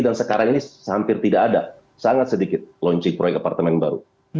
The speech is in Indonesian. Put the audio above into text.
dan sekarang ini hampir tidak ada sangat sedikit launching project apartemen baru